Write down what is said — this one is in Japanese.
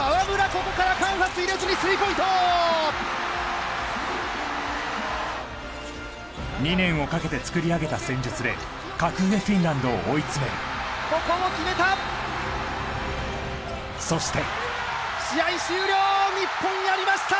ここから間髪入れずにスリーポイント２年をかけてつくりあげた戦術で格上フィンランドを追い詰めるここも決めたそして試合終了日本やりました